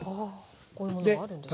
こういうものがあるんですね。